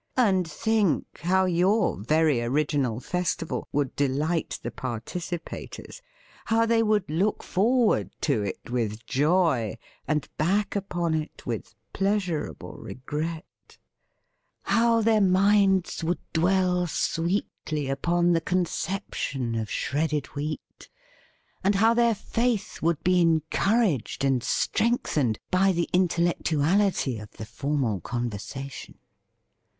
And think how your very original festival would delight the par ticipators, how they would look for ward to it with joy, and back upon it with pleasurable regret; how their minds would dwell sweetly upon the conception of shredded wheat, and how their faith would be encouraged and strengthened by the intellectuality of the formal conversation!